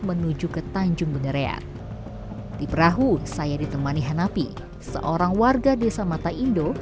menuju ke tanjung beneran di perahu saya ditemani hanapi seorang warga desa mata indo